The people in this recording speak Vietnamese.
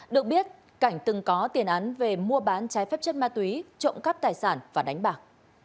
được biết cảnh từng có tiền án về mua bán trái phép chất ma túy trộm cắp tài sản và đánh bạc